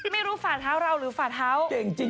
ไม่รู้ฝ่าเท้าเราหรือฝ่าเท้าเจ้งจริง